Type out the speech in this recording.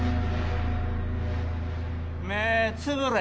・目ぇつぶれ！